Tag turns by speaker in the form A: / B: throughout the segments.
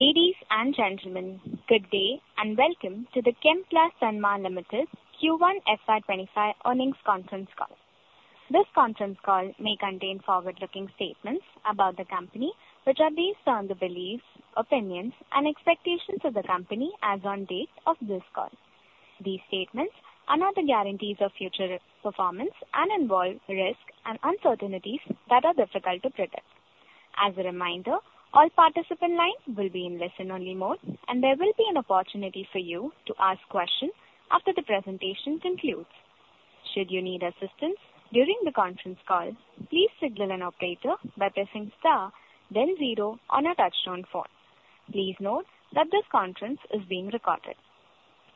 A: Ladies and gentlemen, good day and welcome to the Chemplast Sanmar Limited Q1 FY25 earnings conference call. This conference call may contain forward-looking statements about the company, which are based on the beliefs, opinions, and expectations of the company as on date of this call. These statements are not the guarantees of future performance and involve risk and uncertainties that are difficult to predict. As a reminder, all participant lines will be in listen-only mode, and there will be an opportunity for you to ask questions after the presentation concludes. Should you need assistance during the conference call, please signal an operator by pressing star, then zero on a touch-tone phone. Please note that this conference is being recorded.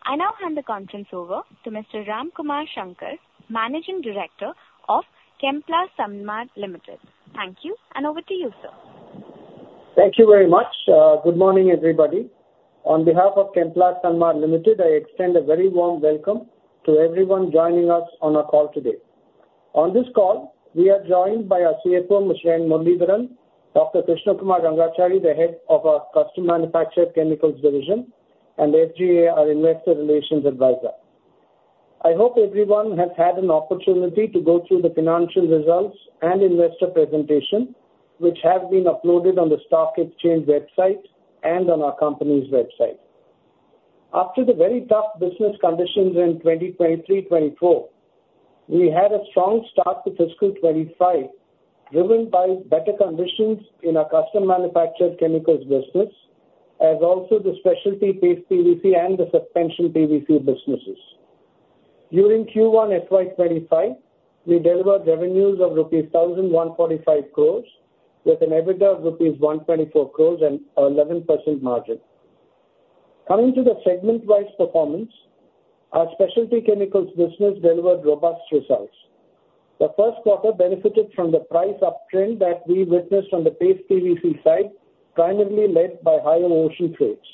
A: I now hand the conference over to Mr. Ramkumar Shankar, Managing Director of Chemplast Sanmar Limited. Thank you, and over to you, sir.
B: Thank you very much. Good morning, everybody. On behalf of Chemplast Sanmar Limited, I extend a very warm welcome to everyone joining us on our call today. On this call, we are joined by our CFO, N. Muralidharan, Dr. Krishna Kumar Rangachari, the head of our Custom Manufactured Chemicals Division, and SGA our Investor Relations Advisor. I hope everyone has had an opportunity to go through the financial results and investor presentations, which have been uploaded on the Stock Exchange website and on our company's website. After the very tough business conditions in 2023-24, we had a strong start to fiscal 2025 driven by better conditions in our Custom Manufactured Chemicals business, as also the specialty Paste PVC and the suspension PVC businesses. During Q1 FY2025, we delivered revenues of rupees 1,145 crores with an EBITDA of rupees 124 crores and an 11% margin. Coming to the segment-wise performance, our specialty chemicals business delivered robust results. The first quarter benefited from the price uptrend that we witnessed on the paste PVC side, primarily led by higher ocean freights.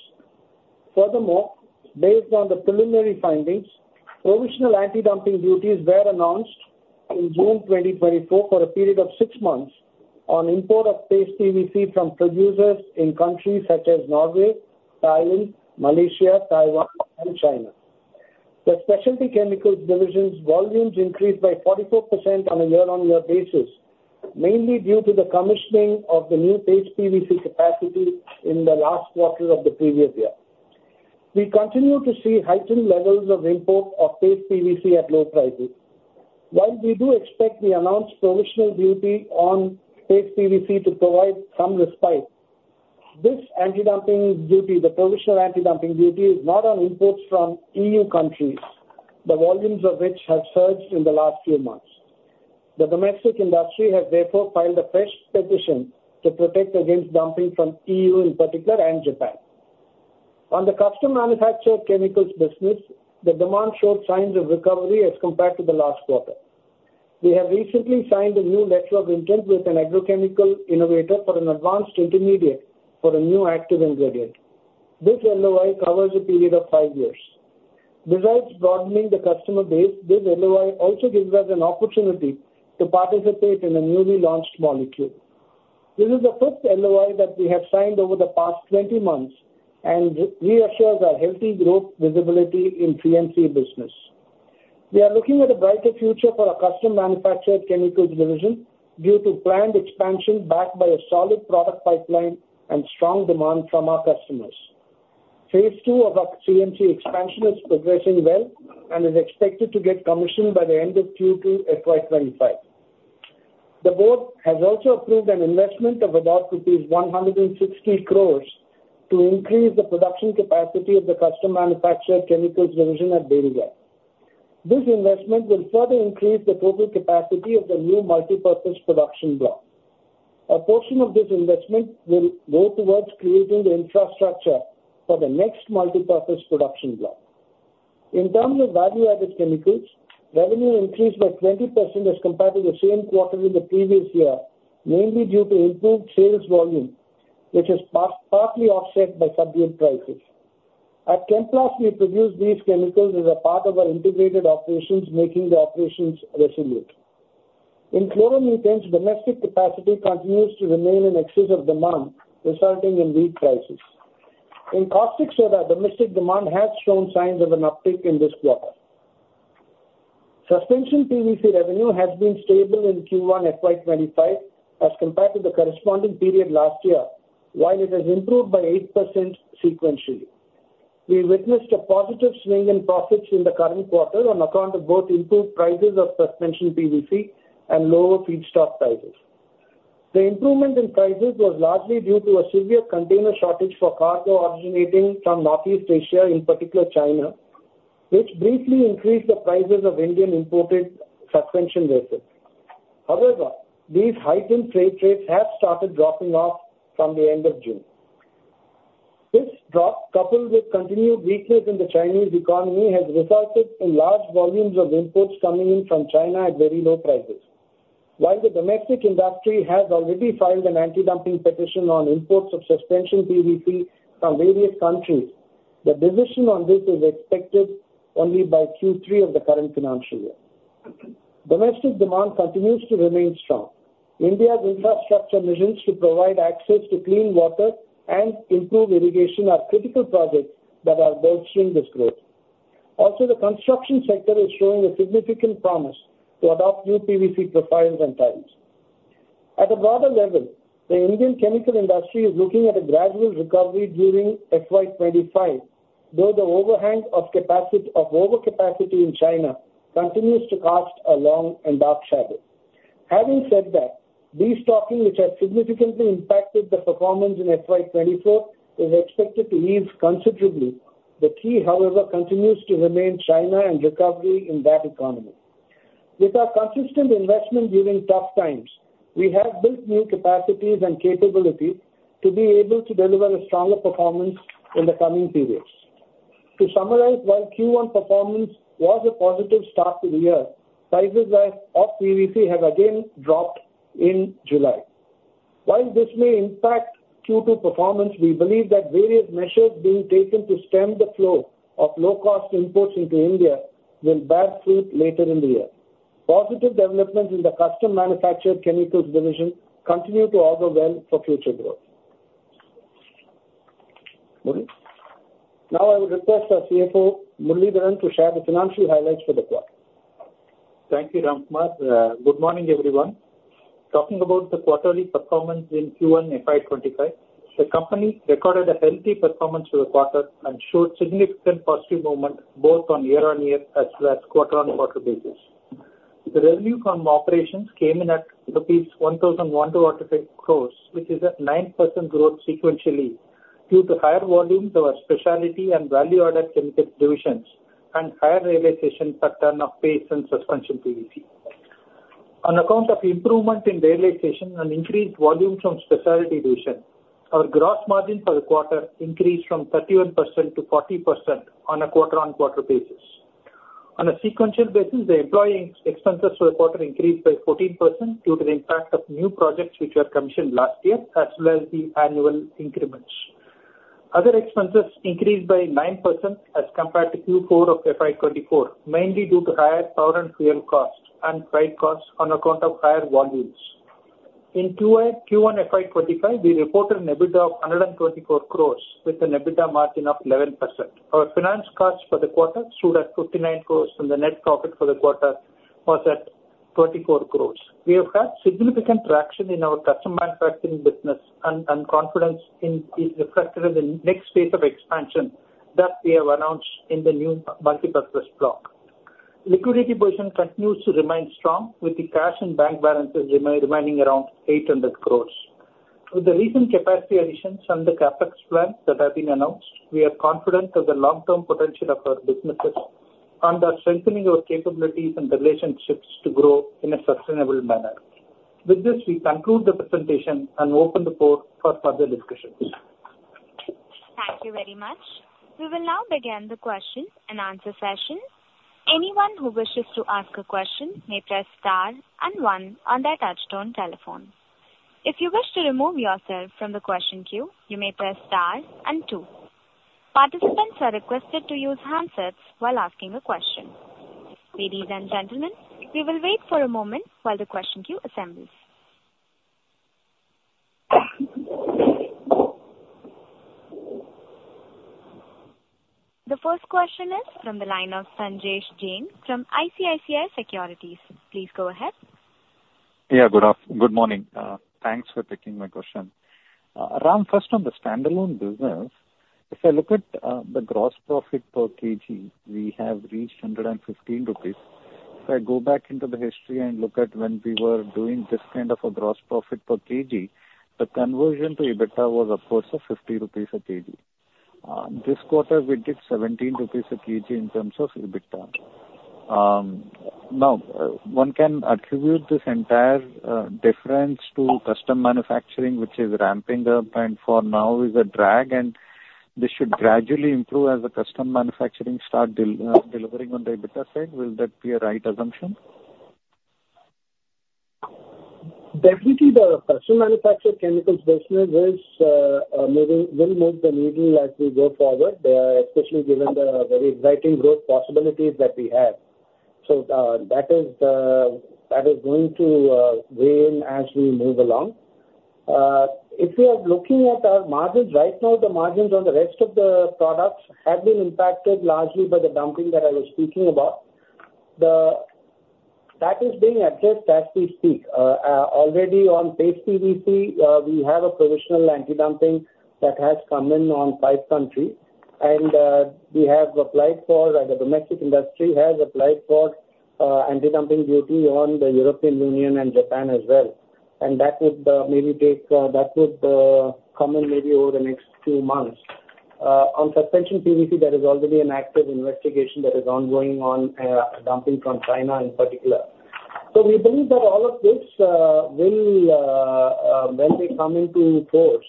B: Furthermore, based on the preliminary findings, provisional anti-dumping duties were announced in June 2024 for a period of 6 months on import of paste PVC from producers in countries such as Norway, Thailand, Malaysia, Taiwan, and China. The specialty chemicals division's volumes increased by 44% on a year-on-year basis, mainly due to the commissioning of the new paste PVC capacity in the last quarter of the previous year. We continue to see heightened levels of import of paste PVC at low prices. While we do expect the announced provisional duty on Paste PVC to provide some respite, this anti-dumping duty, the provisional anti-dumping duty, is not on imports from EU countries, the volumes of which have surged in the last few months. The domestic industry has, therefore, filed a fresh petition to protect against dumping from EU in particular and Japan. On the Custom Manufactured Chemicals business, the demand showed signs of recovery as compared to the last quarter. We have recently signed a new letter of intent with an agrochemical innovator for an advanced intermediate for a new active ingredient. This LOI covers a period of five years. Besides broadening the customer base, this LOI also gives us an opportunity to participate in a newly launched molecule. This is the first LOI that we have signed over the past 20 months and reassures our healthy growth visibility in CMC business. We are looking at a brighter future for our Custom Manufactured Chemicals Division due to planned expansion backed by a solid product pipeline and strong demand from our customers. Phase two of our CMC expansion is progressing well and is expected to get commissioned by the end of Q2 FY 2025. The board has also approved an investment of about rupees 160 crores to increase the production capacity of the Custom Manufactured Chemicals Division at Berigai. This investment will further increase the total capacity of the new multipurpose production block. A portion of this investment will go towards creating the infrastructure for the next multipurpose production block. In terms of value-added chemicals, revenue increased by 20% as compared to the same quarter in the previous year, mainly due to improved sales volume, which is partly offset by subdued prices. At Chemplast, we produce these chemicals as a part of our integrated operations, making the operations resilient. In chloromethanes, domestic capacity continues to remain in excess of demand, resulting in weak prices. In caustic soda, domestic demand has shown signs of an uptick in this quarter. Suspension PVC revenue has been stable in Q1 FY25 as compared to the corresponding period last year, while it has improved by 8% sequentially. We witnessed a positive swing in profits in the current quarter on account of both improved prices of suspension PVC and lower feedstock prices. The improvement in prices was largely due to a severe container shortage for cargo originating from Northeast Asia, in particular China, which briefly increased the prices of Indian-imported suspension PVC. However, these heightened freight rates have started dropping off from the end of June. This drop, coupled with continued weakness in the Chinese economy, has resulted in large volumes of imports coming in from China at very low prices. While the domestic industry has already filed an anti-dumping petition on imports of Suspension PVC from various countries, the decision on this is expected only by Q3 of the current financial year. Domestic demand continues to remain strong. India's infrastructure missions to provide access to clean water and improve irrigation are critical projects that are bolstering this growth. Also, the construction sector is showing a significant promise to adopt new PVC profiles and types. At a broader level, the Indian chemical industry is looking at a gradual recovery during FY25, though the overhang of overcapacity in China continues to cast a long and dark shadow. Having said that, these stockpiles, which have significantly impacted the performance in FY24, are expected to ease considerably. The key, however, continues to remain China and recovery in that economy. With our consistent investment during tough times, we have built new capacities and capabilities to be able to deliver a stronger performance in the coming periods. To summarize, while Q1 performance was a positive start to the year, prices of PVC have again dropped in July. While this may impact Q2 performance, we believe that various measures being taken to stem the flow of low-cost imports into India will bear fruit later in the year. Positive developments in the Custom Manufactured Chemicals division continue to augur well for future growth. Now, I would request our CFO, N. Muralidharan, to share the financial highlights for the quarter.
C: Thank you, Ramkumar. Good morning, everyone. Talking about the quarterly performance in Q1 FY25, the company recorded a healthy performance for the quarter and showed significant positive movement both on year-over-year as well as quarter-over-quarter basis. The revenue from operations came in at rupees 1,145 crores, which is a 9% growth sequentially due to higher volumes of our Specialty and Value-added Chemicals divisions and higher realization per ton of Paste and Suspension PVC. On account of improvement in realization and increased volume from Specialty division, our gross margin for the quarter increased from 31% to 40% on a quarter-over-quarter basis. On a sequential basis, the employee expenses for the quarter increased by 14% due to the impact of new projects which were commissioned last year as well as the annual increments. Other expenses increased by 9% as compared to Q4 of FY 2024, mainly due to higher power and fuel costs and freight costs on account of higher volumes. In Q1 FY 2025, we reported an EBITDA of 124 crore with an EBITDA margin of 11%. Our finance costs for the quarter stood at 59 crore, and the net profit for the quarter was at 24 crore. We have had significant traction in our custom manufacturing business, and confidence is reflected in the next phase of expansion that we have announced in the new multipurpose block. Liquidity position continues to remain strong, with the cash and bank balances remaining around 800 crore. With the recent capacity additions and the CapEx plans that have been announced, we are confident of the long-term potential of our businesses and are strengthening our capabilities and relationships to grow in a sustainable manner. With this, we conclude the presentation and open the floor for further discussions.
A: Thank you very much. We will now begin the questions and answers session. Anyone who wishes to ask a question may press star and one on their touch-tone telephone. If you wish to remove yourself from the question queue, you may press star and two. Participants are requested to use handsets while asking a question. Ladies and gentlemen, we will wait for a moment while the question queue assembles. The first question is from the line of Sanjesh Jain from ICICI Securities. Please go ahead.
D: Yeah, good morning. Thanks for taking my question. Ram, first on the standalone business, if I look at the gross profit per kg, we have reached 115 rupees. If I go back into the history and look at when we were doing this kind of a gross profit per kg, the conversion to EBITDA was, of course, 50 rupees a kg. This quarter, we did 17 rupees a kg in terms of EBITDA. Now, one can attribute this entire difference to custom manufacturing, which is ramping up, and for now is a drag. This should gradually improve as the custom manufacturing starts delivering on the EBITDA side. Will that be a right assumption?
B: Definitely, the Custom Manufactured Chemicals business will move the needle as we go forward, especially given the very exciting growth possibilities that we have. So that is going to weigh in as we move along. If we are looking at our margins right now, the margins on the rest of the products have been impacted largely by the dumping that I was speaking about. That is being addressed as we speak. Already on Paste PVC, we have a provisional anti-dumping that has come in on 5 countries, and the domestic industry has applied for anti-dumping duty on the European Union and Japan as well. And that would maybe come in maybe over the next few months. On Suspension PVC, there is already an active investigation that is ongoing on dumping from China in particular. So we believe that all of this, when they come into force,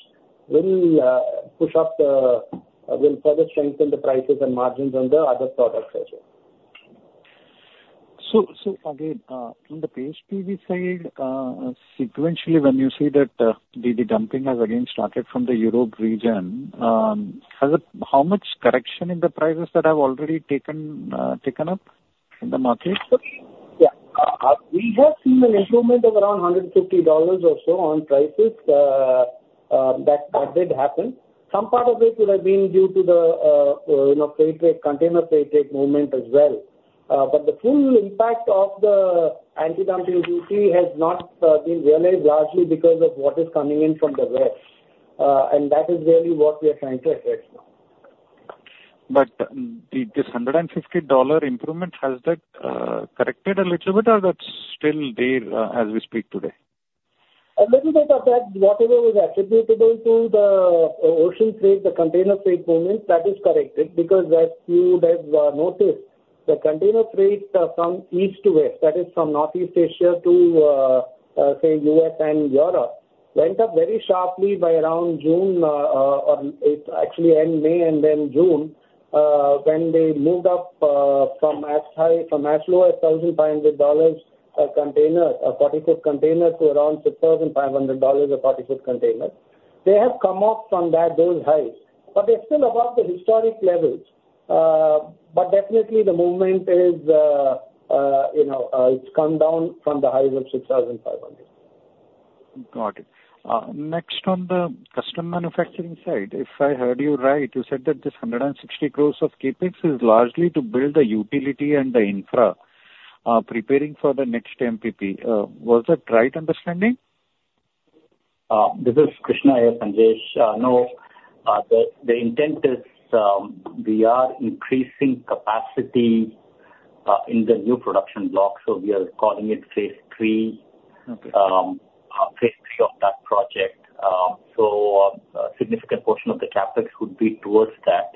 B: will push up. They will further strengthen the prices and margins on the other products as well.
D: So again, on the Paste PVC side, sequentially, when you say that the dumping has, again, started from the Europe region, how much correction in the prices that have already taken up in the market?
B: Yeah. We have seen an improvement of around $150 or so on prices. That did happen. Some part of it would have been due to the freight rate, container freight rate movement as well. But the full impact of the anti-dumping duty has not been realized largely because of what is coming in from the West. And that is really what we are trying to address now.
D: This $150 improvement, has that corrected a little bit, or that's still there as we speak today?
B: A little bit of that. Whatever was attributable to the ocean freight, the container freight movement, that is corrected because, as you would have noticed, the container freight from east to west, that is, from Northeast Asia to, say, U.S. and Europe, went up very sharply by around June or actually end May and then June when they moved up from as low as $1,500 a container, a 40-foot container, to around $6,500 a 40-foot container. They have come off from those highs, but they're still above the historic levels. But definitely, the movement is, it's come down from the highs of $6,500.
D: Got it. Next, on the custom manufacturing side, if I heard you right, you said that this 160 crores of CapEx is largely to build the utility and the infra preparing for the next MPP. Was that right understanding?
E: This is Krishna, Sanjesh. No, the intent is we are increasing capacity in the new production block. So we are calling it phase three, phase three of that project. So a significant portion of the CapEx would be towards that.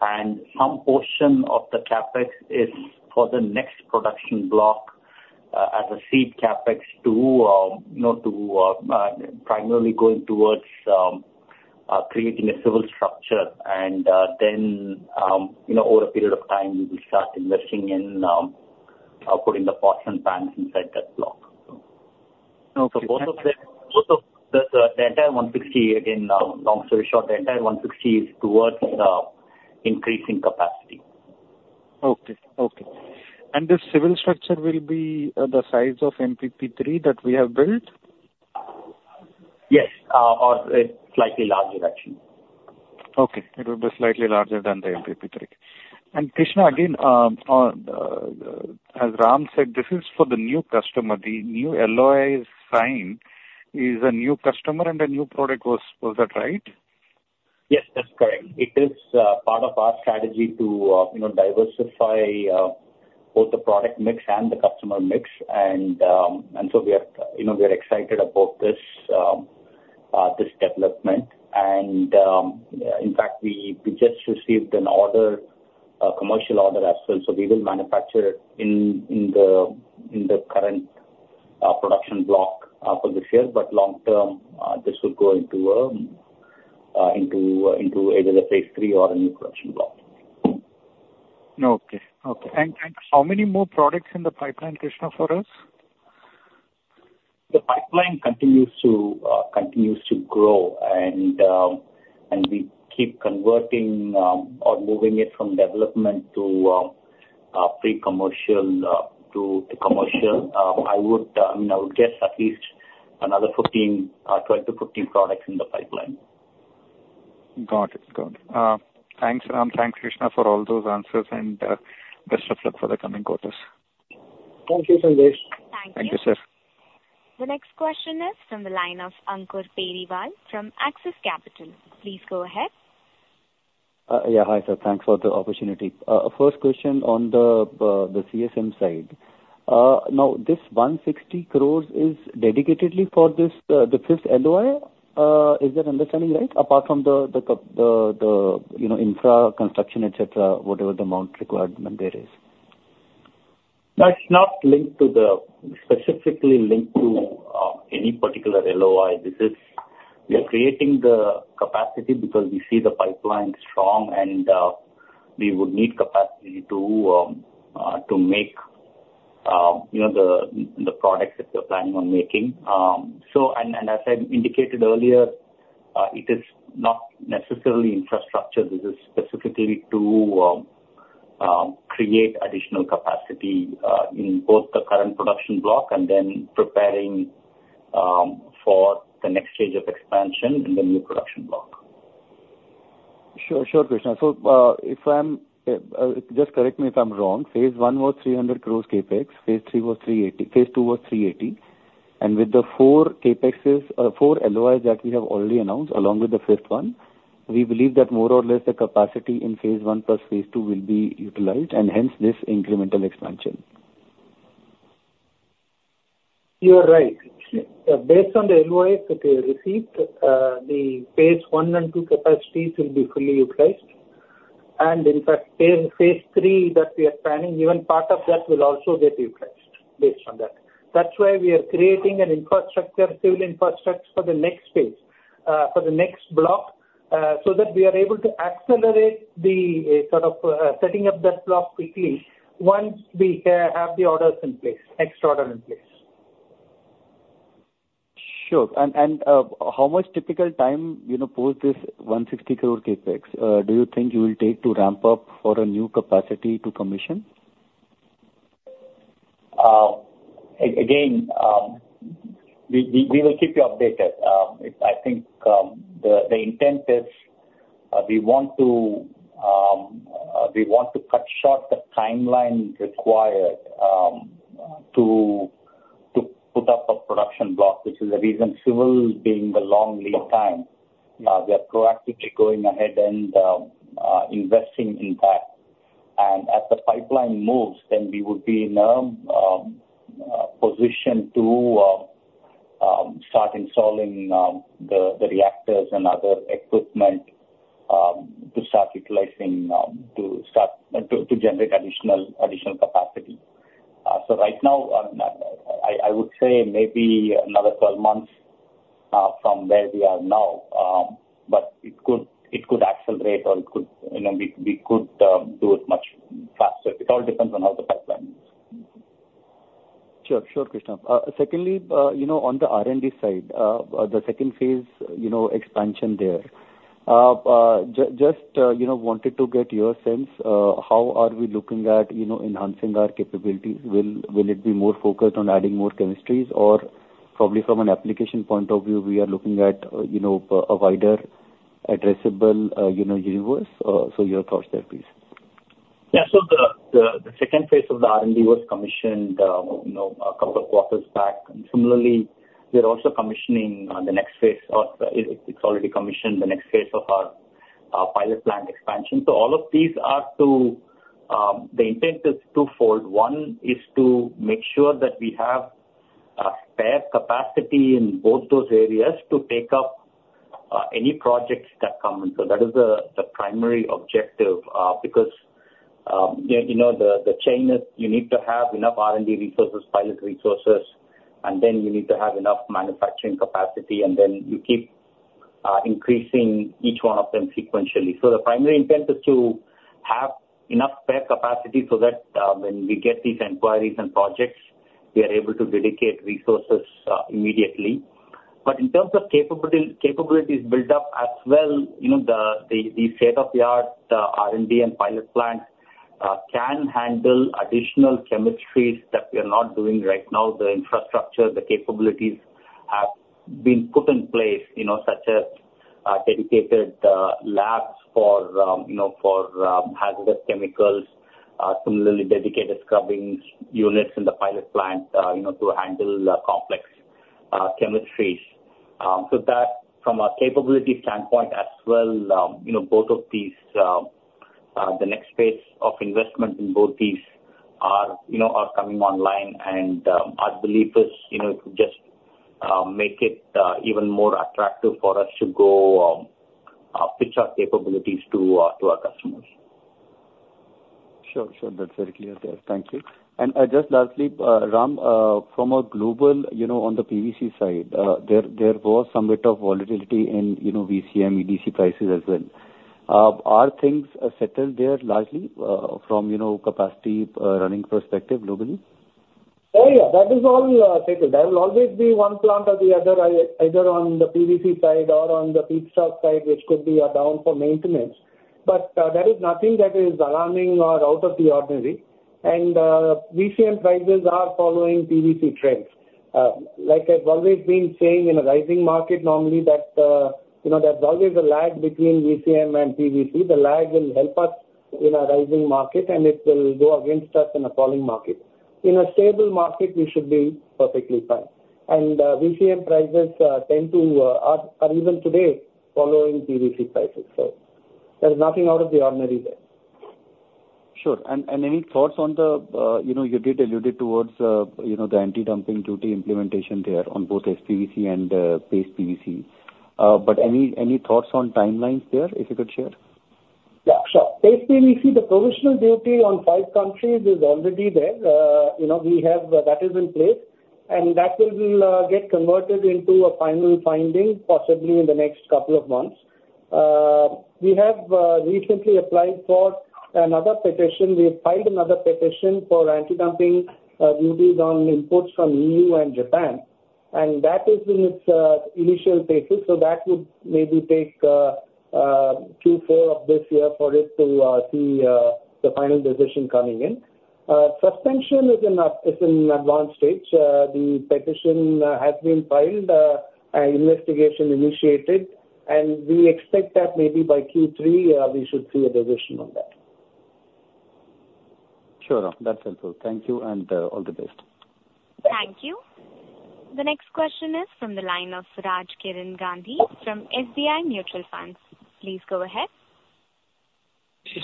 E: And some portion of the CapEx is for the next production block as a seed CapEx to primarily going towards creating a civil structure. And then, over a period of time, we will start investing in putting the ports and plants inside that block. So both of the entire 160, again, long story short, the entire 160 is towards increasing capacity.
D: Okay. Okay. This civil structure will be the size of MPP3 that we have built?
E: Yes, or slightly larger, actually.
D: Okay. It will be slightly larger than the MPP3. And Krishna, again, as Ram said, this is for the new customer. The new LOI signed is a new customer and a new product. Was that right?
E: Yes, that's correct. It is part of our strategy to diversify both the product mix and the customer mix. In fact, we just received an order, a commercial order as well. We will manufacture in the current production block for this year. Long term, this will go into either the phase three or a new production block.
D: Okay. Okay. And how many more products in the pipeline, Krishna, for us?
E: The pipeline continues to grow. We keep converting or moving it from development to pre-commercial to commercial. I mean, I would guess at least another 12-15 products in the pipeline.
D: Got it. Got it. Thanks, Ram. Thanks, Krishna, for all those answers. And best of luck for the coming quarters.
B: Thank you, Sanjesh.
A: Thank you. Thank you, sir. The next question is from the line of Ankur Periwal from Axis Capital. Please go ahead.
F: Yeah, hi, sir. Thanks for the opportunity. First question on the CSM side. Now, this 160 crores is dedicatedly for the fifth LOI. Is that understanding right? Apart from the infra construction, etc., whatever the amount requirement there is.
E: That's not linked specifically to any particular LOI. We are creating the capacity because we see the pipeline strong, and we would need capacity to make the products that we are planning on making. As I indicated earlier, it is not necessarily infrastructure. This is specifically to create additional capacity in both the current production block and then preparing for the next stage of expansion in the new production block.
F: Sure. Sure, Krishna. So if I'm just correct me if I'm wrong. Phase one was 300 crore CapEx. Phase three was 380 crore. Phase two was 380 crore. And with the four CapExes or four LOIs that we have already announced along with the fifth one, we believe that more or less the capacity in phase one plus phase two will be utilized, and hence this incremental expansion.
B: You are right. Based on the LOIs that we received, the phase one and two capacities will be fully utilized. And in fact, phase three that we are planning, even part of that will also get utilized based on that. That's why we are creating an infrastructure, civil infrastructure for the next phase, for the next block, so that we are able to accelerate the sort of setting up that block quickly once we have the orders in place, extra order in place.
F: Sure. How much typical time post this 160 crore CapEx do you think you will take to ramp up for a new capacity to commission?
E: Again, we will keep you updated. I think the intent is we want to cut short the timeline required to put up a production block, which is the reason civil being the long lead time. We are proactively going ahead and investing in that. And as the pipeline moves, then we would be in a position to start installing the reactors and other equipment to start utilizing, to start to generate additional capacity. So right now, I would say maybe another 12 months from where we are now, but it could accelerate, or we could do it much faster. It all depends on how the pipeline is.
F: Sure. Sure, Krishna. Secondly, on the R&D side, the second phase expansion there, just wanted to get your sense. How are we looking at enhancing our capabilities? Will it be more focused on adding more chemistries, or probably from an application point of view, we are looking at a wider addressable universe? So your thoughts there, please.
E: Yeah. So the second phase of the R&D was commissioned a couple of quarters back. And similarly, we're also commissioning the next phase or it's already commissioned, the next phase of our pilot plant expansion. So all of these are to the intent is twofold. One is to make sure that we have spare capacity in both those areas to take up any projects that come in. So that is the primary objective because the chain is you need to have enough R&D resources, pilot resources, and then you need to have enough manufacturing capacity. And then you keep increasing each one of them sequentially. So the primary intent is to have enough spare capacity so that when we get these inquiries and projects, we are able to dedicate resources immediately. But in terms of capabilities built up as well, the state-of-the-art R&D and pilot plants can handle additional chemistries that we are not doing right now. The infrastructure, the capabilities have been put in place, such as dedicated labs for hazardous chemicals, similarly dedicated scrubbing units in the pilot plant to handle complex chemistries. So that, from a capability standpoint as well, both of these, the next phase of investment in both these are coming online. And our belief is it would just make it even more attractive for us to go pitch our capabilities to our customers.
F: Sure. Sure. That's very clear there. Thank you. And just lastly, Ram, from a global on the PVC side, there was some bit of volatility in VCM, EDC prices as well. Are things settled there largely from capacity running perspective globally?
B: Oh, yeah. That is all settled. There will always be one plant or the other, either on the PVC side or on the Paste PVC side, which could be down for maintenance. But there is nothing that is alarming or out of the ordinary. And VCM prices are following PVC trends. Like I've always been saying in a rising market normally, that there's always a lag between VCM and PVC. The lag will help us in a rising market, and it will go against us in a falling market. In a stable market, we should be perfectly fine. And VCM prices tend to, are even today, following PVC prices. So there's nothing out of the ordinary there.
F: Sure. And any thoughts on the you did allude it towards the anti-dumping duty implementation there on both SPVC and Paste PVC. But any thoughts on timelines there, if you could share?
B: Yeah. Sure. Paste PVC, the provisional duty on five countries is already there. We have that is in place. And that will get converted into a final finding, possibly in the next couple of months. We have recently applied for another petition. We filed another petition for anti-dumping duties on imports from EU and Japan. And that is in its initial phases. So that would maybe take Q4 of this year for it to see the final decision coming in. Suspension PVC is in an advanced stage. The petition has been filed, investigation initiated, and we expect that maybe by Q3, we should see a decision on that.
F: Sure, Ram. That's helpful. Thank you and all the best.
A: Thank you. The next question is from the line of Rajkiran Gandhi from SBI Mutual Funds. Please go ahead.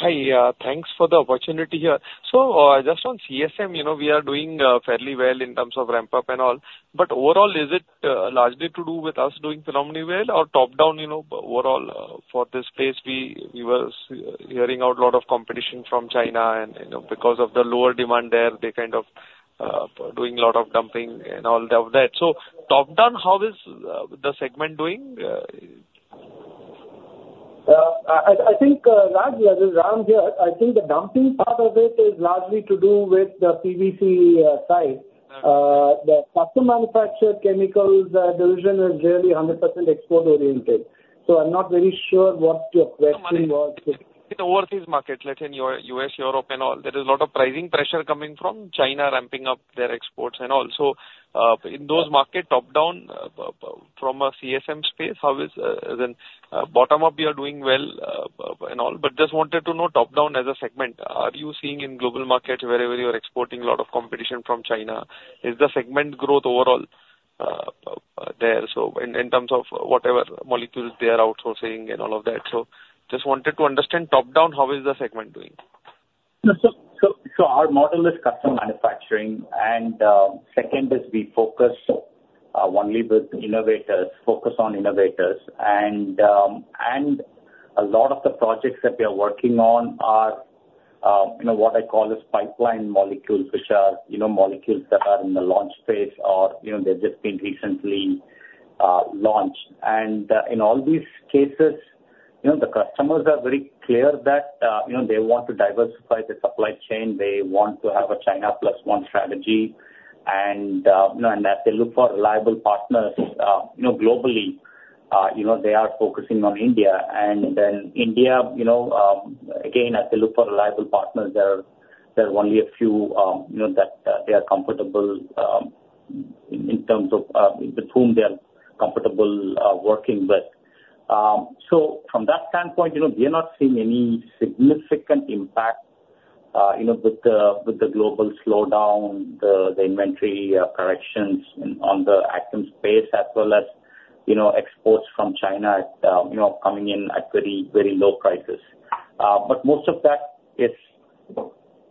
G: Hi. Thanks for the opportunity here. So just on CMC, we are doing fairly well in terms of ramp-up and all. But overall, is it largely to do with us doing phenomenally well or top-down overall for this place? We were hearing about a lot of competition from China. Because of the lower demand there, they're kind of doing a lot of dumping and all of that. So top-down, how is the segment doing?
B: I think, Raj, as Ram is here, I think the dumping part of it is largely to do with the PVC side. The Custom Manufactured Chemicals Division is really 100% export-oriented. So I'm not very sure what your question was.
G: In the overseas market, let's say in U.S., Europe, and all, there is a lot of pricing pressure coming from China ramping up their exports and all. So in those markets, top-down from a CMC space, how is it? As in bottom-up, we are doing well and all. But just wanted to know top-down as a segment, are you seeing in global markets wherever you are exporting a lot of competition from China? Is the segment growth overall there? So in terms of whatever molecules they are outsourcing and all of that. So just wanted to understand top-down, how is the segment doing?
E: So our model is custom manufacturing. Second is we focus only with innovators, focus on innovators. And a lot of the projects that we are working on are what I call as pipeline molecules, which are molecules that are in the launch phase or they've just been recently launched. And in all these cases, the customers are very clear that they want to diversify the supply chain. They want to have a China plus one strategy. And as they look for reliable partners globally, they are focusing on India. And then India, again, as they look for reliable partners, there are only a few that they are comfortable in terms of with whom they are comfortable working with. So from that standpoint, we are not seeing any significant impact with the global slowdown, the inventory corrections on the Agchem space, as well as exports from China coming in at very, very low prices. But most of that is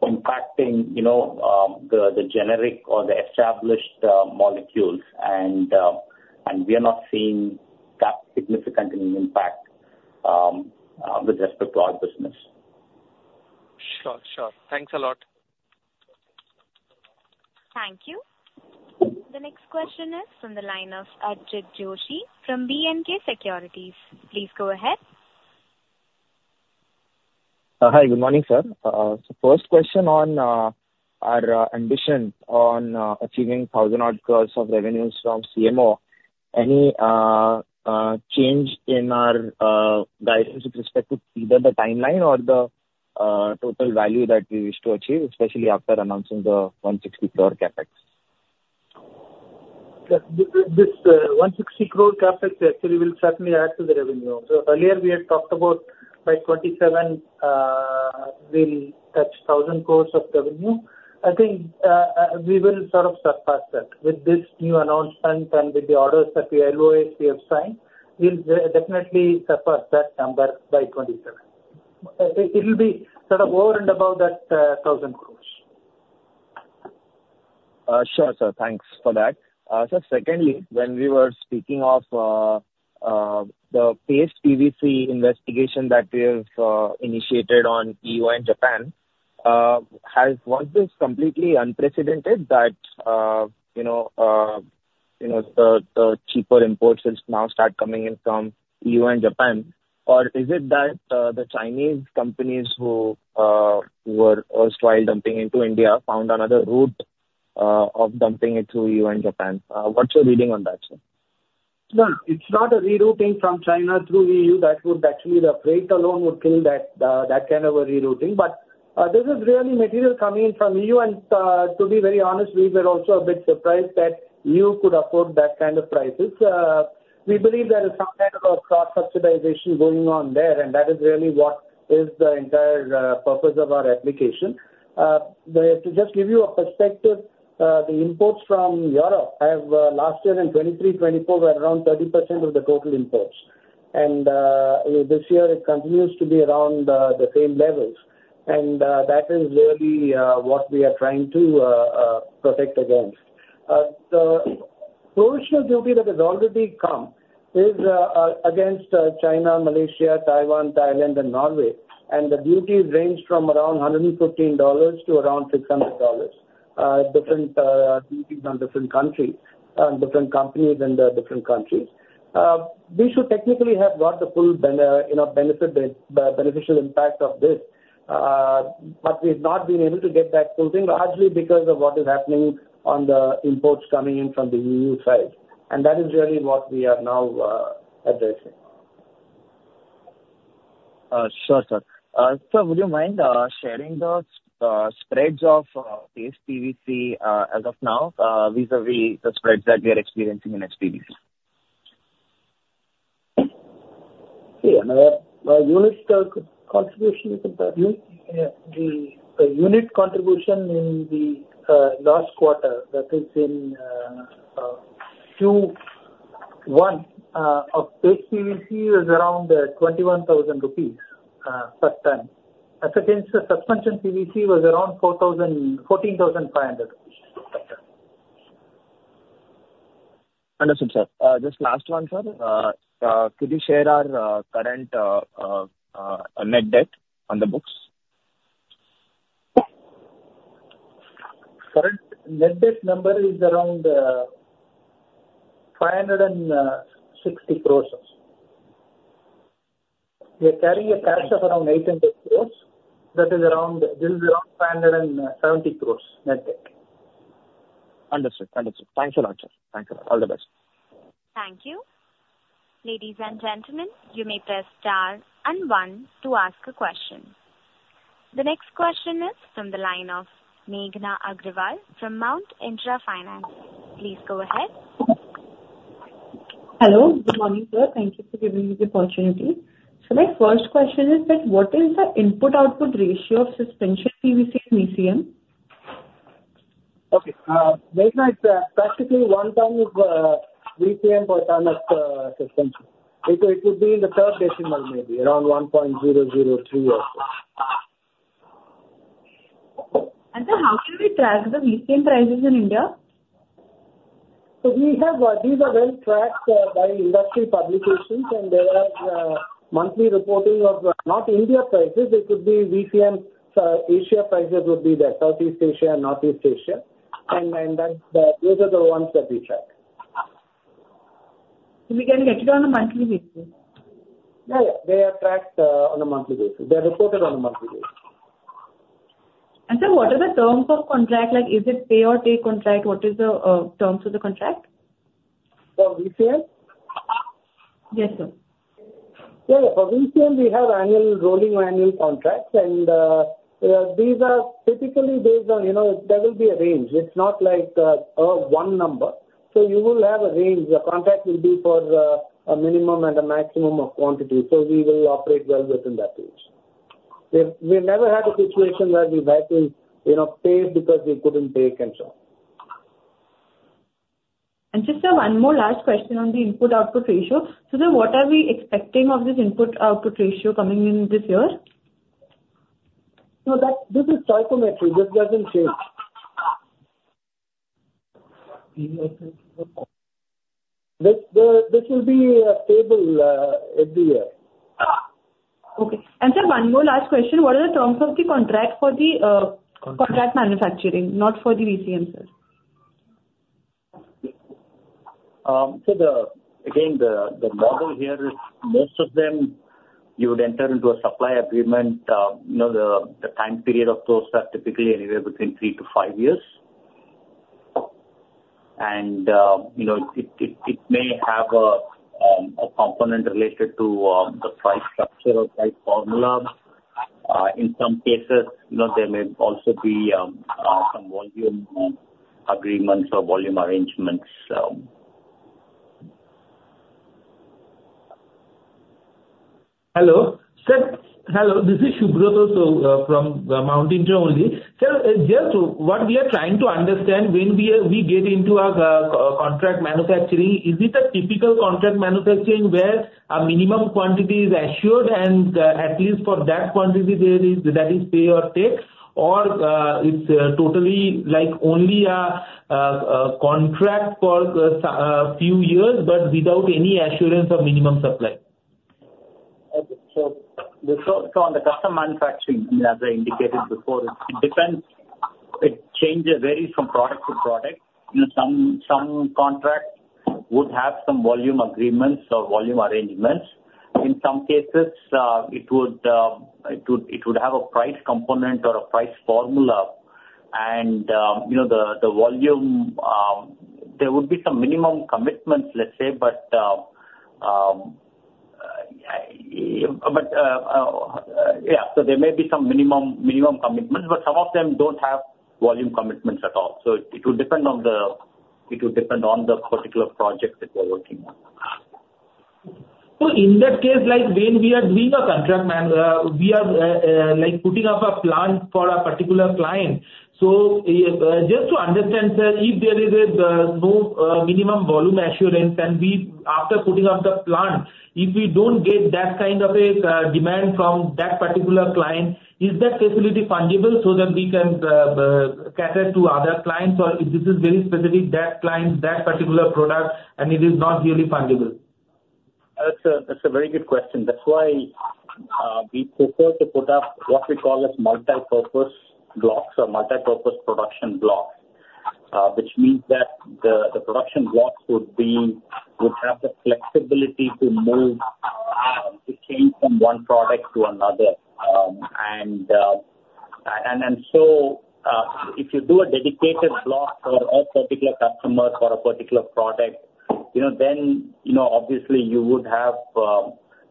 E: impacting the generic or the established molecules. And we are not seeing that significant impact with respect to our business.
G: Sure. Sure. Thanks a lot.
A: Thank you. The next question is from the line of Archit Joshi from B&K Securities. Please go ahead.
H: Hi. Good morning, sir. So first question on our ambition on achieving 1,000-odd crore of revenues from CMC. Any change in our guidance with respect to either the timeline or the total value that we wish to achieve, especially after announcing the 160 crore CapEx?
B: This 160 crore CapEx actually will certainly add to the revenue. So earlier, we had talked about by 2027, we'll touch 1,000 crores of revenue. I think we will sort of surpass that with this new announcement and with the orders that we have signed. We'll definitely surpass that number by 2027. It'll be sort of over and above that 1,000 crores.
H: Sure, sir. Thanks for that. So secondly, when we were speaking of the Paste PVC investigation that we have initiated on EU and Japan, was this completely unprecedented that the cheaper imports will now start coming in from EU and Japan? Or is it that the Chinese companies who were first while dumping into India found another route of dumping it through EU and Japan? What's your reading on that, sir?
B: No. It's not a rerouting from China through EU. Actually, the freight alone would kill that kind of a rerouting. But this is really material coming in from EU. And to be very honest, we were also a bit surprised that EU could afford that kind of prices. We believe there is some kind of a cross-subsidization going on there. And that is really what is the entire purpose of our application. To just give you a perspective, the imports from Europe, last year in 2023, 2024, were around 30% of the total imports. And this year, it continues to be around the same levels. And that is really what we are trying to protect against. The provisional duty that has already come is against China, Malaysia, Taiwan, Thailand, and Norway. The duties range from around $115-$600, different duties on different countries, different companies in the different countries. We should technically have got the full beneficial impact of this. We have not been able to get that full thing largely because of what is happening on the imports coming in from the EU side. That is really what we are now addressing.
H: Sure, sir. Sir, would you mind sharing the spreads of Paste PVC as of now vis-à-vis the spreads that we are experiencing in SPVC?
B: Okay. Another unit contribution, you can tell me. The unit contribution in the last quarter, that is in Q1 of Paste PVC, was around 21,000 rupees per ton. As against the Suspension PVC, was around 14,500 rupees per ton.
H: Understood, sir. Just last one, sir. Could you share our current net debt on the books?
B: Current net debt number is around 560 crore. We are carrying a cash of around 800 crore. This is around 570 crore net debt.
H: Understood. Understood. Thanks a lot, sir. Thanks a lot. All the best.
A: Thank you. Ladies and gentlemen, you may press star and one to ask a question. The next question is from the line of Meghna Agarwal from Mount Intra Finance. Please go ahead.
I: Hello. Good morning, sir. Thank you for giving me the opportunity. So my first question is that what is the input-output ratio of Suspension PVC and VCM?
B: Okay. Meghna, it's practically 1 ton of VCM per ton of suspension. It would be in the third decimal, maybe around 1.003 or so.
I: Sir, how can we track the VCM prices in India?
B: So these are well tracked by industry publications. There are monthly reporting of, not India, prices. It could be VCM Asia prices would be there, Southeast Asia and Northeast Asia. Those are the ones that we track.
I: We can get it on a monthly basis?
B: Yeah, yeah. They are tracked on a monthly basis. They're reported on a monthly basis.
I: And sir, what are the terms of contract? Is it take-or-pay contract? What are the terms of the contract?
B: For VCM?
I: Yes, sir.
B: Yeah, yeah. For VCM, we have rolling annual contracts. These are typically based on there will be a range. It's not like a one number. So you will have a range. The contract will be for a minimum and a maximum of quantity. So we will operate well within that range. We've never had a situation where we've had to pay because we couldn't take and so on.
I: Just one more last question on the input-output ratio. Sir, what are we expecting of this input-output ratio coming in this year?
B: No, this is stoichiometry. This doesn't change. This will be stable every year.
I: Okay. Sir, one more last question. What are the terms of the contract for the contract manufacturing, not for the VCM, sir?
E: Again, the model here is most of them, you would enter into a supply agreement. The time period of those are typically anywhere between 3-5 years. It may have a component related to the price structure or price formula. In some cases, there may also be some volume agreements or volume arrangements.
I: Hello. Hello. This is Subrata from Mount Intra only. Sir, just what we are trying to understand, when we get into our contract manufacturing, is it a typical contract manufacturing where a minimum quantity is assured? And at least for that quantity, that is pay-or-take, or it's totally only a contract for a few years but without any assurance of minimum supply?
E: So on the custom manufacturing, I mean, as I indicated before, it changes, varies from product to product. Some contracts would have some volume agreements or volume arrangements. In some cases, it would have a price component or a price formula. And the volume, there would be some minimum commitments, let's say. But yeah, so there may be some minimum commitments, but some of them don't have volume commitments at all. So it will depend on the particular project that we're working on.
I: So in that case, when we are doing a contract, we are putting up a plant for a particular client. So just to understand, sir, if there is no minimum volume assurance, and after putting up the plant, if we don't get that kind of a demand from that particular client, is that facility fungible so that we can cater to other clients? Or if this is very specific, that client, that particular product, and it is not really fungible?
E: That's a very good question. That's why we prefer to put up what we call as multipurpose blocks or multipurpose production blocks, which means that the production blocks would have the flexibility to change from one product to another. And so if you do a dedicated block for a particular customer for a particular product, then obviously, you would have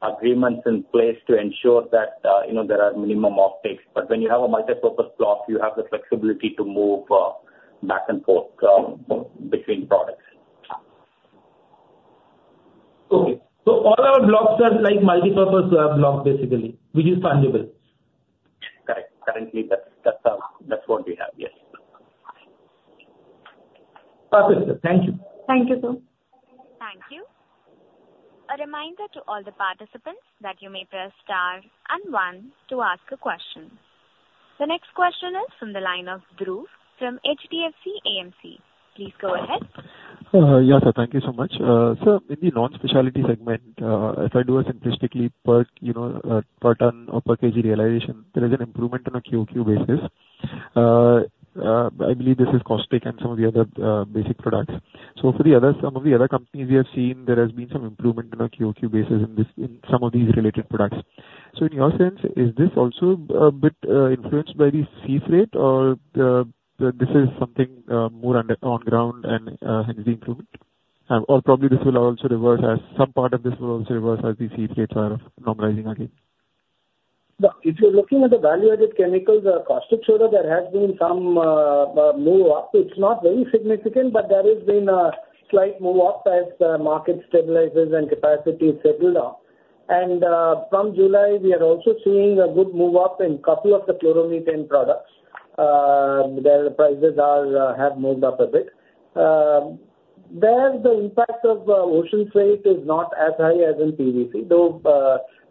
E: agreements in place to ensure that there are minimum offtakes. But when you have a multipurpose block, you have the flexibility to move back and forth between products.
I: Okay. So all our blocks are multipurpose blocks, basically, which is fungible?
E: Correct. Currently, that's what we have. Yes.
I: Perfect, sir. Thank you. Thank you, sir.
A: Thank you. A reminder to all the participants that you may press star and one to ask a question. The next question is from the line of Dhruv from HDFC AMC. Please go ahead.
J: Yeah, sir. Thank you so much. Sir, in the non-specialty segment, if I do a simplistically per ton or per kg realization, there is an improvement on a QoQ basis. I believe this is Caustic and some of the other basic products. So for some of the other companies we have seen, there has been some improvement on a QoQ basis in some of these related products. So in your sense, is this also a bit influenced by the freight fee, or this is something more on-ground and hence the improvement? Or probably this will also reverse, as some part of this will also reverse as the freight fees are normalizing again?
B: No. If you're looking at the value-added chemicals, Caustic Soda, there has been some move up. It's not very significant, but there has been a slight move up as the market stabilizes and capacity settles down. And from July, we are also seeing a good move up in a couple of the chloromethanes products. Their prices have moved up a bit. There, the impact of ocean freight is not as high as in PVC, though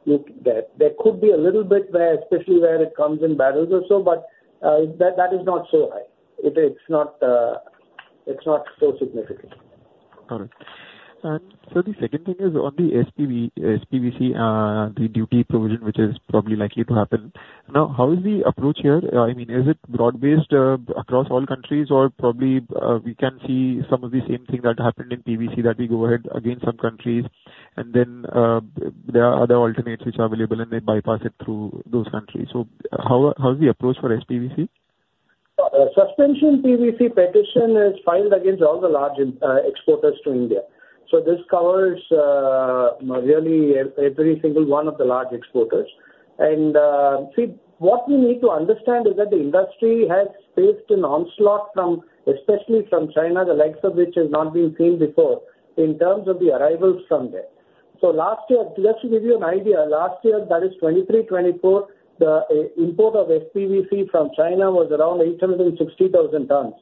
B: there could be a little bit where, especially where it comes in barrels or so. But that is not so high. It's not so significant.
J: Got it. And so the second thing is on the SPVC, the duty provision, which is probably likely to happen. Now, how is the approach here? I mean, is it broad-based across all countries? Or probably we can see some of the same thing that happened in PVC that we go ahead against some countries, and then there are other alternatives which are available, and they bypass it through those countries. So how is the approach for SPVC?
B: Suspension PVC petition is filed against all the large exporters to India. So this covers really every single one of the large exporters. And see, what we need to understand is that the industry has faced an onslaught, especially from China, the likes of which has not been seen before in terms of the arrivals from there. So last year, just to give you an idea, last year, that is 2023, 2024, the import of SPVC from China was around 860,000 tons,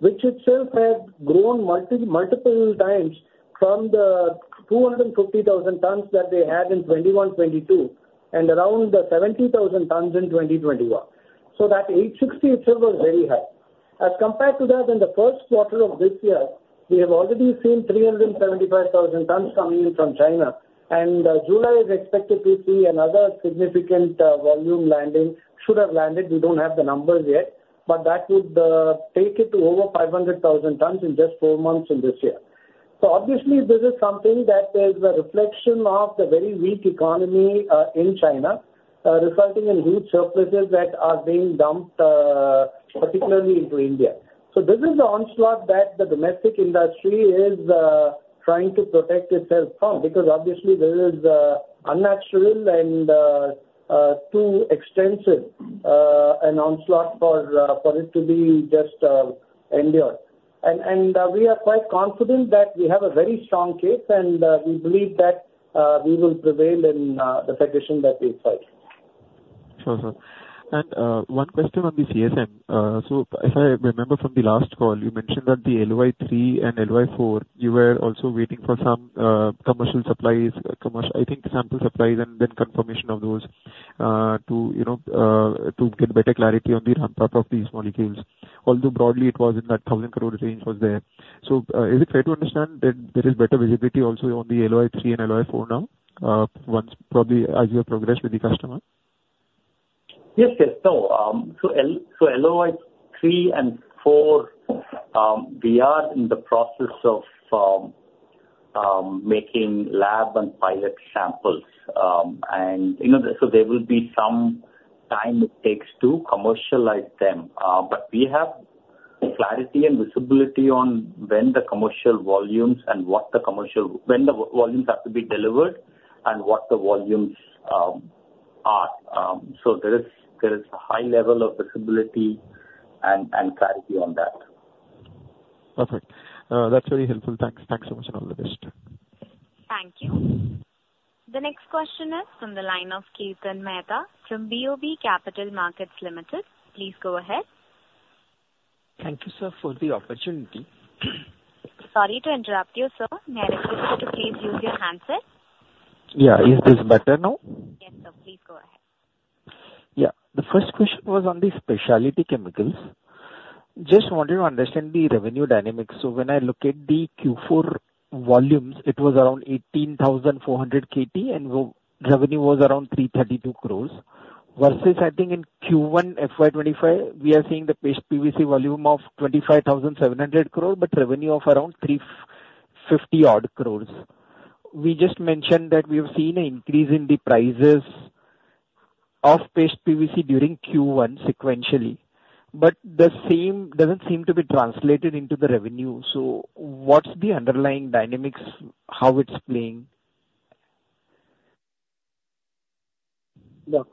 B: which itself had grown multiple times from the 250,000 tons that they had in 2021, 2022, and around the 70,000 tons in 2021. So that 860 itself was very high. As compared to that, in the first quarter of this year, we have already seen 375,000 tons coming in from China. And July is expected to see another significant volume landing, should have landed. We don't have the numbers yet. But that would take it to over 500,000 tons in just four months in this year. So obviously, this is something that is a reflection of the very weak economy in China, resulting in huge surpluses that are being dumped, particularly into India. So this is the onslaught that the domestic industry is trying to protect itself from because obviously, this is unnatural and too extensive, an onslaught for it to be just endured. And we are quite confident that we have a very strong case, and we believe that we will prevail in the petition that we filed.
J: Sure, sir. One question on the CSM. If I remember from the last call, you mentioned that the LOI3 and LOI4, you were also waiting for some commercial supplies, I think sample supplies, and then confirmation of those to get better clarity on the ramp-up of these molecules. Although broadly, it was in that 1,000 crore range was there. Is it fair to understand that there is better visibility also on the LOI3 and LOI4 now, probably as you have progressed with the customer?
B: Yes, yes. No. So LOI 3 and 4, we are in the process of making lab and pilot samples. And so there will be some time it takes to commercialize them. But we have clarity and visibility on when the commercial volumes and what the commercial when the volumes have to be delivered and what the volumes are. So there is a high level of visibility and clarity on that.
J: Perfect. That's very helpful. Thanks. Thanks so much, and all the best.
A: Thank you. The next question is from the line of Kirtan Mehta from BOB Capital Markets Limited. Please go ahead.
K: Thank you, sir, for the opportunity.
A: Sorry to interrupt you, sir. May I request you to please use your handset?
K: Yeah. Is this better now?
A: Yes, sir. Please go ahead.
K: Yeah. The first question was on the Specialty Chemicals. Just wanted to understand the revenue dynamics. So when I look at the Q4 volumes, it was around 18,400 KT, and revenue was around 332 crores versus, I think, in Q1 FY25, we are seeing the Paste PVC volume of 25,700 crore, but revenue of around 350-odd crores. We just mentioned that we have seen an increase in the prices of Paste PVC during Q1 sequentially, but the same doesn't seem to be translated into the revenue. So what's the underlying dynamics, how it's playing?
B: No.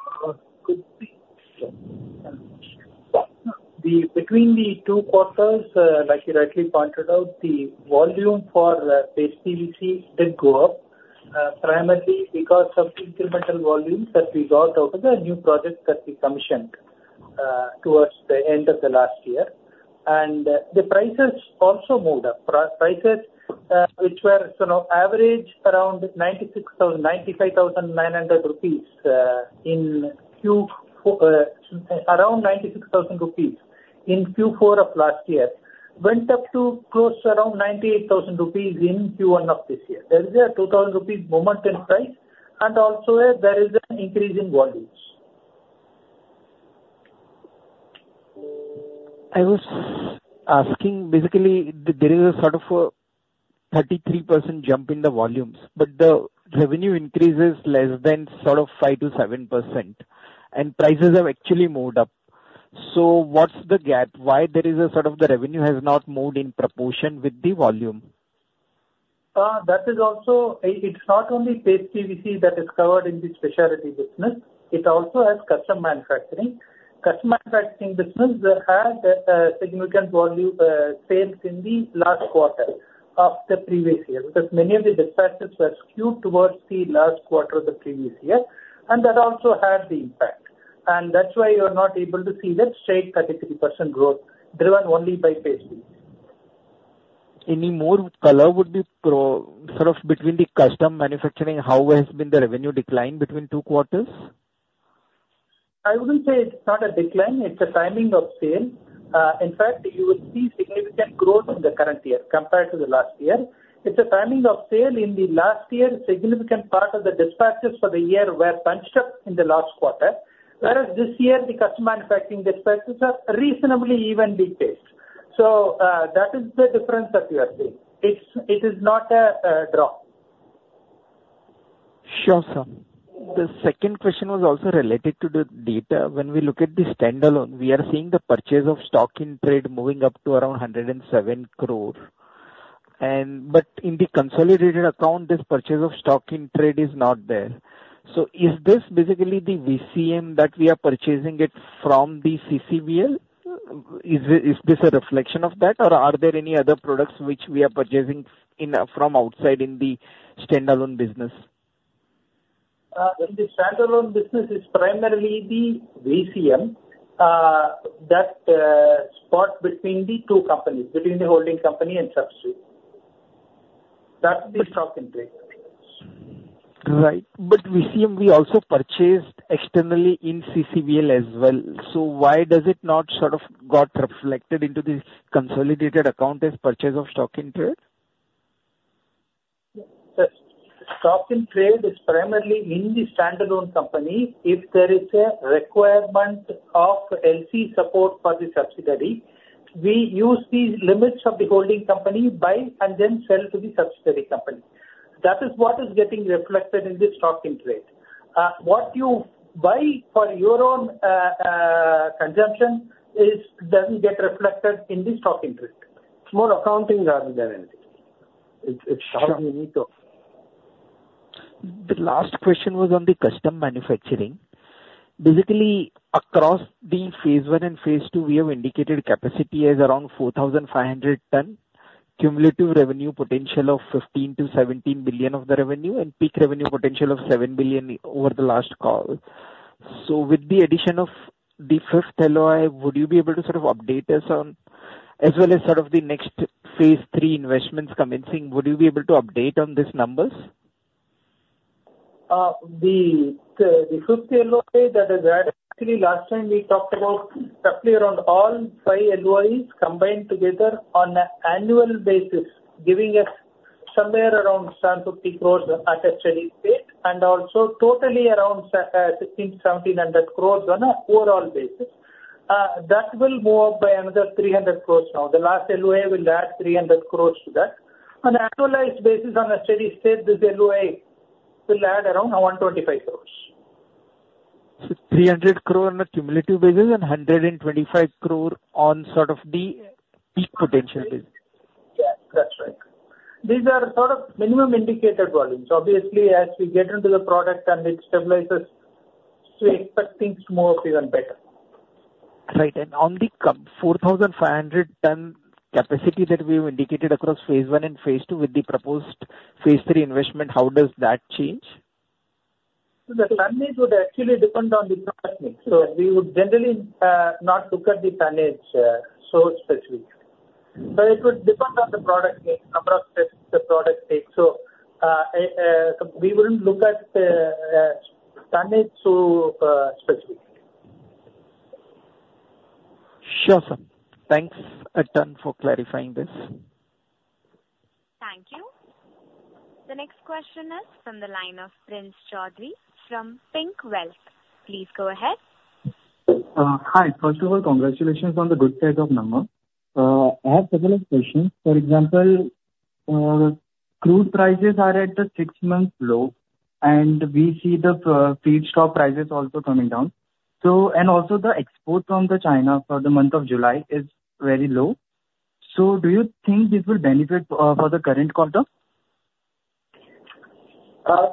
B: Between the two quarters, like you rightly pointed out, the volume for Paste PVC did go up primarily because of incremental volumes that we got out of the new projects that we commissioned towards the end of the last year. The prices also moved up, prices which were average around 96,000, 95,900 rupees in Q around 96,000 rupees in Q4 of last year went up to close to around 98,000 rupees in Q1 of this year. There is a 2,000 rupees momentum price. Also, there is an increase in volumes.
K: I was asking, basically, there is a sort of 33% jump in the volumes, but the revenue increases less than sort of 5%-7%. Prices have actually moved up. What's the gap? Why is it sort of the revenue has not moved in proportion with the volume?
B: That is also. It's not only Paste PVC that is covered in the specialty business. It also has custom manufacturing. Custom manufacturing business had significant sales in the last quarter of the previous year because many of the dispatchers were skewed towards the last quarter of the previous year. That also had the impact. That's why you are not able to see that straight 33% growth driven only by Paste PVC.
K: Any more color would be sort of between the custom manufacturing, how has been the revenue decline between two quarters?
B: I wouldn't say it's not a decline. It's a timing of sale. In fact, you will see significant growth in the current year compared to the last year. It's a timing of sale. In the last year, significant part of the dispatches for the year were bunched up in the last quarter, whereas this year, the custom manufacturing dispatches are reasonably evenly paced. So that is the difference that you are seeing. It is not a drawdown.
K: Sure, sir. The second question was also related to the data. When we look at the standalone, we are seeing the purchase of stock in trade moving up to around 107 crore. But in the consolidated account, this purchase of stock in trade is not there. So is this basically the VCM that we are purchasing it from the CCVL? Is this a reflection of that, or are there any other products which we are purchasing from outside in the standalone business?
B: In the standalone business, it's primarily the VCM that spot between the two companies, between the holding company and subsidiary. That's the stock-in-trade.
K: Right. But VCM, we also purchased externally in CCVL as well. So why does it not sort of got reflected into the consolidated account as purchase of stock in trade?
B: Yes. Stock in trade is primarily in the standalone company. If there is a requirement of LC support for the subsidiary, we use these limits of the holding company and then sell to the subsidiary company. That is what is getting reflected in the stock in trade. What you buy for your own consumption doesn't get reflected in the stock in trade. It's more accounting rather than anything. It's how you need to.
K: Sure. The last question was on the custom manufacturing. Basically, across the phase one and phase two, we have indicated capacity as around 4,500 tons, cumulative revenue potential of 15-17 billion of the revenue, and peak revenue potential of 7 billion over the last call. So with the addition of the fifth LOI, would you be able to sort of update us on as well as sort of the next phase three investments commencing, would you be able to update on these numbers?
B: The fifth LOI that is added, actually, last time we talked about roughly around all five LOIs combined together on an annual basis, giving us somewhere around 750 crores at a steady rate and also totally around 1,500-1,700 crores on an overall basis. That will move up by another 300 crores now. The last LOI will add 300 crores to that. On an annualized basis, on a steady state, this LOI will add around 125 crores.
K: 300 crore on a cumulative basis and 125 crore on sort of the peak potential basis?
B: Yes. That's right. These are sort of minimum indicated volumes. Obviously, as we get into the product and it stabilizes, we expect things to move up even better.
K: Right. On the 4,500-ton capacity that we have indicated across phase one and phase two with the proposed phase three investment, how does that change?
B: The tonnage would actually depend on the product needs. So we would generally not look at the tonnage so specifically. So it would depend on the product needs, number of steps the product takes. So we wouldn't look at the tonnage so specifically.
K: Sure, sir. Thanks a ton for clarifying this.
A: Thank you. The next question is from the line of Prince Chaudhary from Pickwealth. Please go ahead.
L: Hi. First of all, congratulations on the good size of number. I have several questions. For example, crude prices are at the 6-month low, and we see the feedstock prices also coming down. And also, the export from China for the month of July is very low. So do you think this will benefit for the current quarter?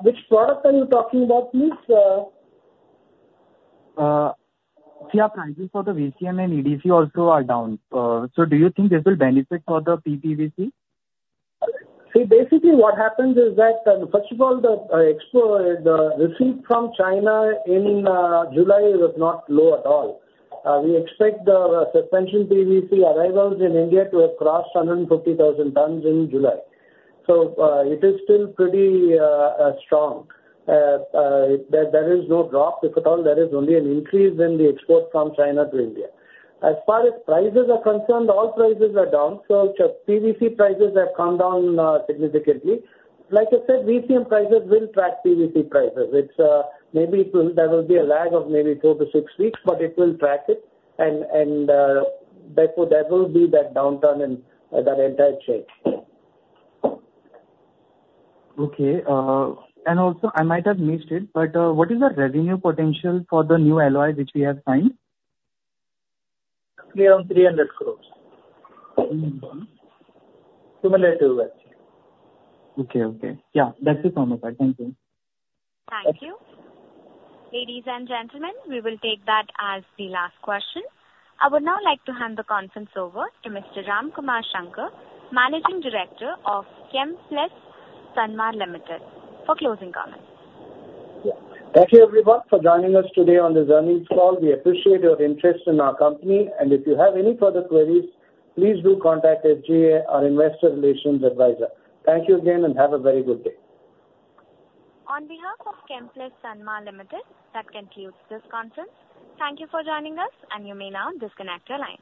B: Which product are you talking about, please?
L: See, our prices for the VCM and EDC also are down. So do you think this will benefit for the Paste PVC?
B: See, basically, what happens is that, first of all, the receipt from China in July was not low at all. We expect the Suspension PVC arrivals in India to have crossed 150,000 tons in July. So it is still pretty strong. There is no drop. If at all, there is only an increase in the export from China to India. As far as prices are concerned, all prices are down. So PVC prices have come down significantly. Like I said, VCM prices will track PVC prices. Maybe there will be a lag of maybe four to six weeks, but it will track it. And therefore, there will be that downturn in that entire chain.
L: Okay. And also, I might have missed it, but what is the revenue potential for the new LOI which we have signed?
B: Roughly around INR 300 crore, cumulatively.
L: Okay, okay. Yeah. That's it from my side. Thank you.
A: Thank you. Ladies and gentlemen, we will take that as the last question. I would now like to hand the conference over to Mr. Ramkumar Shankar, Managing Director of Chemplast Sanmar Limited, for closing comments.
B: Yeah. Thank you, everyone, for joining us today on this earnings call. We appreciate your interest in our company. If you have any further queries, please do contact SGA, our investor relations advisor. Thank you again, and have a very good day.
A: On behalf of Chemplast Sanmar Limited, that concludes this conference. Thank you for joining us, and you may now disconnect your line.